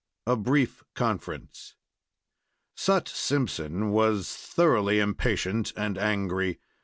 A BRIEF CONFERENCE Sut Simpson was thoroughly impatient and angry.